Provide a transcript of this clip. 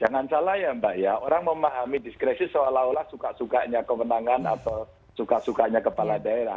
jangan salah ya mbak ya orang memahami diskresi seolah olah suka sukanya kewenangan atau suka sukanya kepala daerah